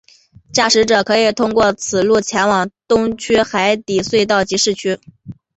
驾驶者可以通过此路前往东区海底隧道及市区。